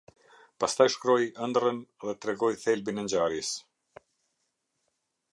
Pastaj shkroi ëndërrën dhe tregoi thelbin e ngjarjes.